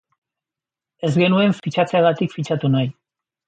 Ez genuen fitxatzeagatik fitxatu nahi.